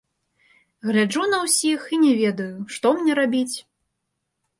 Гляджу на ўсіх, і не ведаю, што мне рабіць.